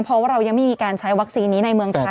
เพราะว่าเรายังไม่มีการใช้วัคซีนนี้ในเมืองไทย